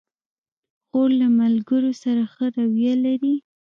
خور له ملګرو سره ښه رویه لري.